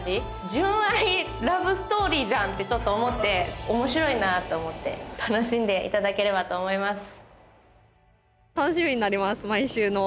純愛ラブストーリーじゃん！ってちょっと思って面白いなと思って楽しんでいただければと思います